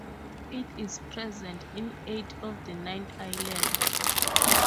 It is present in eight of the nine islands.